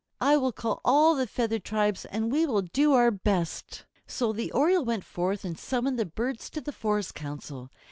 I will call all the feathered tribes, and we will do our best." So the Oriole went forth and summoned the birds to the forest council.